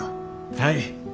はい。